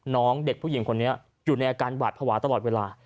น้องเด็กผู้หญิงคนนี้อยู่ในอาการหวาดภาวะตลอดเวลา